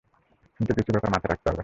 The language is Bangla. কিন্তু, কিছু ব্যাপার মাথায় রাখতে হবে!